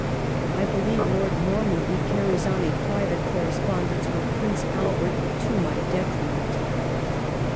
I believe Lord Normanby carries on a private con espondence with Prince Albert to my detiiment."